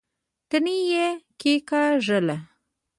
تڼۍ يې کېکاږله.